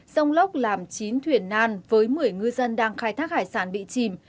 rông lốc làm chín thuyền nan với một mươi ngư dân đang khai thác hải sản bị chìm